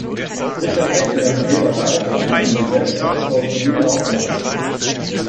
Richard Eckners Reederei war im Gesellschaftshaus Grünau ansässig.